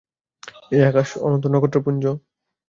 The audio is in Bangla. এই আকাশ, অনন্ত নক্ষত্রপুঞ্জ?